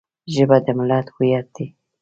ژبه د ملت هویت دی